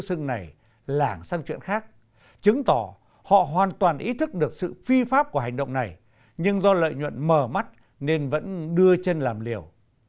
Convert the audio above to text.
thì những thầy phép tự xưng này lảng sang chuyện khác chứng tỏ họ hoàn toàn ý thức được sự phi pháp của hành động này nhưng do lợi nhuận mở mắt nên vẫn đưa chân làm liều